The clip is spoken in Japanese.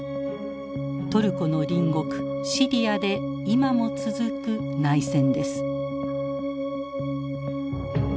トルコの隣国シリアで今も続く内戦です。